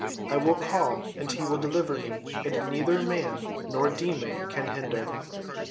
I will call and he will deliver me, and neither man nor demon can hinder."